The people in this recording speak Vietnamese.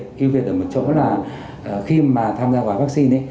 hưu việt ở một chỗ là khi mà tham gia gói vaccine